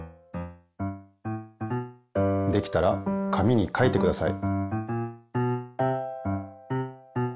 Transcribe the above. できたら紙に書いてください。